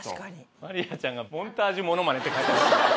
まりあちゃんが「モンタージュモノマネ」って書いてる。